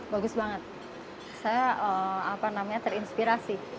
bagus banget saya terinspirasi